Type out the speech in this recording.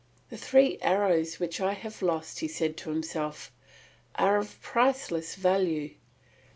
"The three arrows which I have lost," he said to himself, "are of priceless value.